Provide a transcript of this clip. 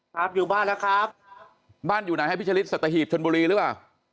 ครับอยู่บ้านแล้วครับบ้านอยู่ไหนให้พิชลิศสัตหีบชนบุรีหรือเปล่า